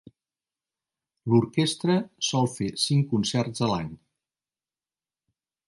L'orquestra sol fer cinc concerts a l'any.